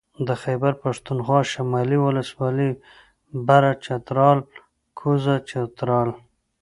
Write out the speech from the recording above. د خېبر پښتونخوا شمالي ولسوالۍ بره چترال کوزه چترال